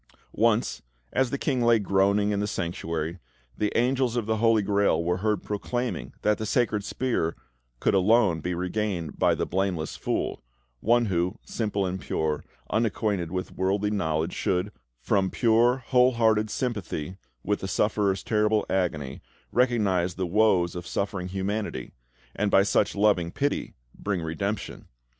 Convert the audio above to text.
Once, as the King lay groaning in the Sanctuary, the angels of the Holy Grail were heard proclaiming that the sacred spear could alone be regained by "The Blameless Fool," one who, simple and pure, unacquainted with worldly knowledge, should, from pure, whole hearted sympathy with the sufferer's terrible agony, recognise the woes of suffering humanity, and by such loving pity bring redemption.